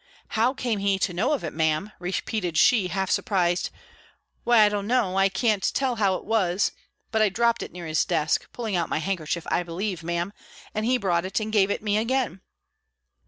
"How came he to know of it, Ma'am!" repeated she half surprised "Why, I don't know, I can't tell how it was but I dropped it near his desk pulling out my handkerchief, I believe, Ma'am, and he brought it, and gave it me again."